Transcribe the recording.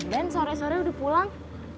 sore sore udah pulang